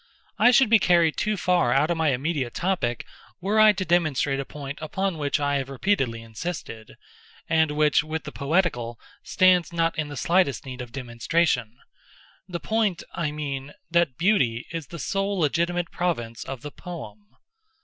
I should be carried too far out of my immediate topic were I to demonstrate a point upon which I have repeatedly insisted, and which, with the poetical, stands not in the slightest need of demonstration—the point, I mean, that Beauty is the sole legitimate province of the poem.